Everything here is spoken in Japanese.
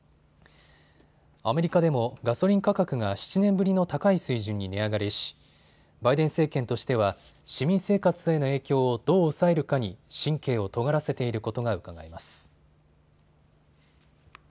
アメリカでもガソリン価格が７年ぶりの高い水準に値上がりしバイデン政権としては市民生活への影響をどう抑えるかに神経をとがらせていることがうかがえます。